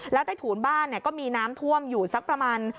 แล้วใต้ถูนบ้านก็มีน้ำท่วมอยู่สักประมาณ